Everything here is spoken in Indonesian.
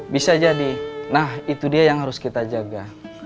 bisa jadi nah itu dia yang harus kita jaga